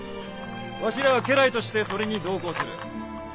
わしらは家来としてそれに同行する。